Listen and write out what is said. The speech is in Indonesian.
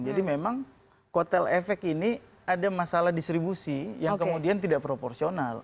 jadi memang kotel effect ini ada masalah distribusi yang kemudian tidak proporsional